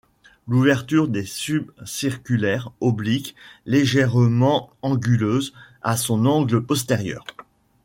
L'ouverture est subcirculaire, oblique, légèrement anguleuse à son angle postérieure.